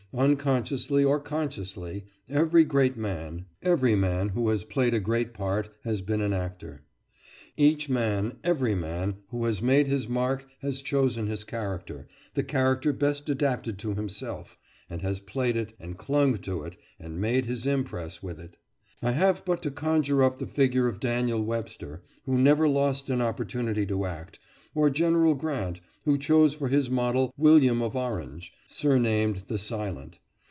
Unconsciously or consciously, every great man, every man who has played a great part, has been an actor. Each man, every man, who has made his mark has chosen his character, the character best adapted to himself, and has played it, and clung to it, and made his impress with it. I have but to conjure up the figure of Daniel Webster, who never lost an opportunity to act; or General Grant, who chose for his model William of Orange, surnamed the Silent.